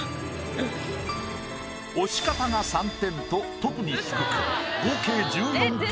押し方が３点と特に低く合計１４点。